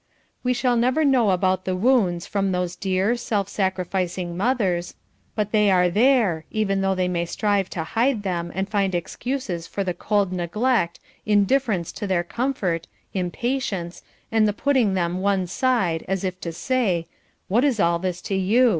We shall never know about the wounds from those dear, self sacrificing mothers, but they are there, even though they may strive to hide them and find excuses for the cold neglect, indifference to their comfort, impatience, and the putting them one side as if to say: "What is all this to you?